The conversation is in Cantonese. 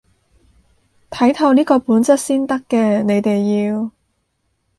睇透呢個本質先得嘅，你哋要